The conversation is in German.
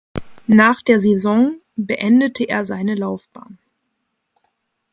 Nach der Saison beendete er seine Laufbahn.